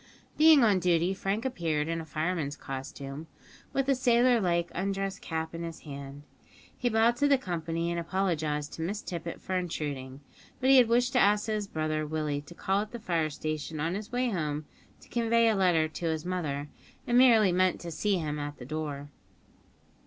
Being on duty, Frank appeared in fireman's costume, with the sailor like undress cap in his hand. He bowed to the company, and apologised to Miss Tippet for intruding, but he had wished to ask his brother Willie to call at the fire station on his way home to convey a letter to his mother, and merely meant to see him at the door.